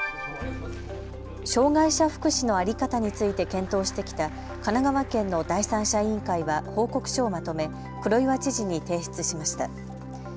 障害者福祉の在り方について検討してきた神奈川県の第三者委員会は報告書をまとめ黒岩知事に提出しました。